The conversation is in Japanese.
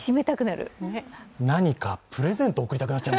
何かプレゼント贈りたくなっちゃう。